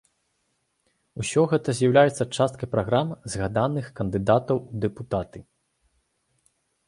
Усё гэта з'яўляецца часткай праграм згаданых кандыдатаў у дэпутаты.